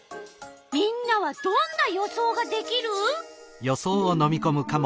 みんなはどんな予想ができる？